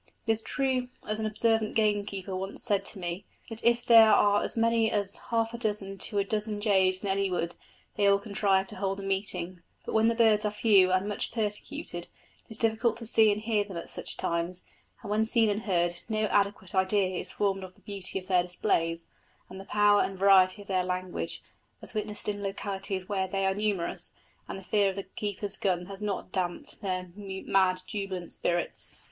It is true, as an observant gamekeeper once said to me, that if there are as many as half a dozen to a dozen jays in any wood they will contrive to hold a meeting; but when the birds are few and much persecuted, it is difficult to see and hear them at such times, and when seen and heard, no adequate idea is formed of the beauty of their displays, and the power and variety of their language, as witnessed in localities where they are numerous, and fear of the keeper's gun has not damped their mad, jubilant spirits.